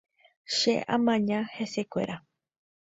Che amaña hesekuéra.